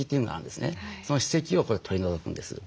その歯石を取り除くんです。